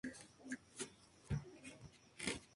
Una parte de la población se dedica a la crianza de ganado.